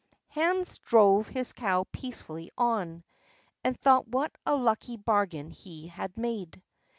Hans drove his cow peacefully on, and thought what a lucky bargain he had made.